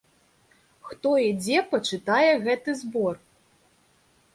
Хто і дзе пачытае гэты збор?